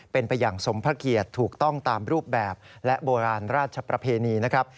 เป็นไปอย่างสมพระเกียรติถูกต้องตามรูปแบบและโบราณราชประเพณีนะครับ